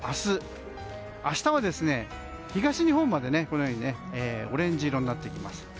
明日は東日本までオレンジ色になっていきます。